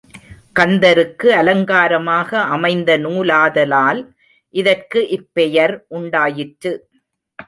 கந்தருக்கு அலங்காரமாக அமைந்த நூலாதலால் இதற்கு இப்பெயர் உண்டாயிற்று.